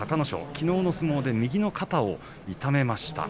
きのうの相撲で右の肩を痛めました。